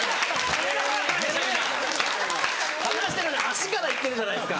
話してるのに足から行ってるじゃないですか。